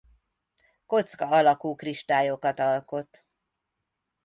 Kocka alakú kristályokat alkot.